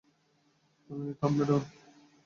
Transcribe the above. তুমি থামবে ডন।